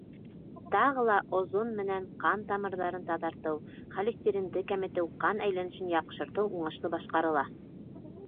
Тағы ла озон менән ҡан тамырҙарын таҙартыу, холестеринды кәметеү, ҡан әйләнешен яҡшыртыу уңышлы башҡарыла.